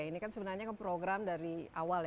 ini kan sebenarnya program dari awal ya